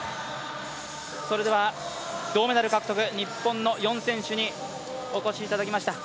銅メダル獲得、日本の４選手にお越しいただきました。